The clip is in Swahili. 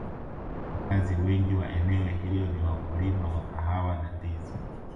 wakazi wengi wa eneo hilo ni wakulima wa kahawa na ndizi